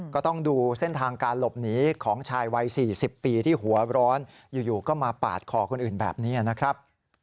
ก็ต้องดูเส้นทางการหลบหนีของชายวัย๔๐ปีที่หัวร้อนอยู่ก็มาปาดคอคนอื่นแบบนี้นะครับ